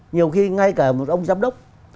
nhiều khi ngay cả một ông giám đốc